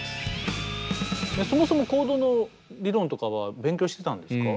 そもそもコードの理論とかは勉強してたんですか？